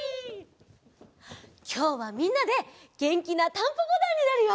きょうはみんなでげんきな「タンポポだん」になるよ！